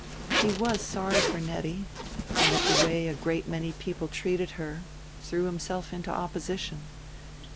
He was sorry for Nettie, and, at the way a great many people treated her, threw himself into opposition.